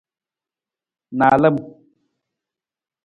Naalam.